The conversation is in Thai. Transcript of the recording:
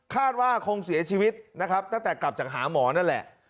คาดว่าคงเสียชีวิตนะครับตั้งแต่กลับจากหาหมอนั่นแหละ